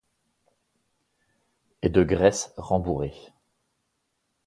Et de graisse rembourré